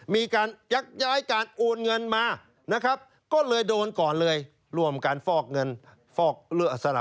มีการยักย้ายการโอนเงินมานะครับก็เลยโดนก่อนเลยร่วมกันฟอกเงินฟอกเรือสละ